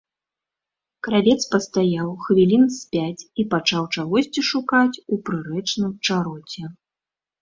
Кравец пастаяў хвілін з пяць і пачаў чагосьці шукаць у прырэчным чароце.